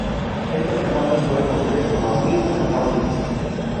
Estos fenómenos pueden ocurrir con agonistas o antagonistas.